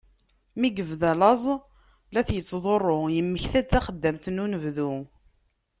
Mi yebda llaẓ la t-yettḍurru, yemmekta-d taxeddamt-nni n unebdu.